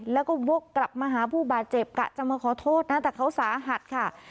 แล้วก็วกกลับมาหาผู้บาดเจ็บกะจะมาขอโทษนะแต่เขาสาหัสค่ะ